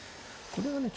これはね